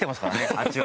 あっちは。